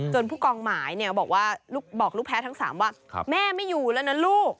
ผู้กองหมายบอกว่าบอกลูกแพ้ทั้ง๓ว่าแม่ไม่อยู่แล้วนะลูก